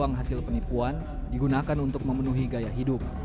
uang hasil penipuan digunakan untuk memenuhi gaya hidup